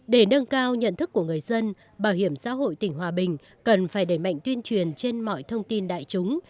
để nâng cao nhận thức của người dân bảo hiểm xã hội tỉnh hòa bình cần phải đẩy mạnh tuyên truyền trên mọi thông tin đại chúng